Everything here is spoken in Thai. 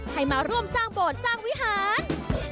ให้มาร่วมสร้างโบสถ์สร้างวิหาร